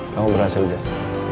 kamu berhasil jas